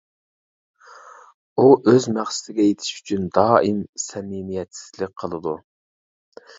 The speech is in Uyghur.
ئۇ ئۆز مەقسىتىگە يېتىش ئۈچۈن، دائىم سەمىمىيەتسىزلىك قىلىدۇ.